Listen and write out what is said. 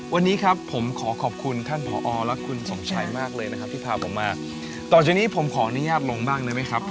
วันนี้ครับผมขอขอบคุณท่านผอและคุณสมชัยมากเลยนะครับที่พาผมมาต่อจากนี้ผมขออนุญาตลงบ้างได้ไหมครับ